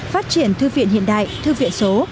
phát triển thư viện hiện đại thư viện số